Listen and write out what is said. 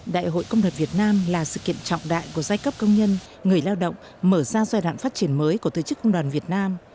đại hội công đoàn việt nam là sự kiện trọng đại của giai cấp công nhân người lao động mở ra giai đoạn phát triển mới của tư chức công đoàn việt nam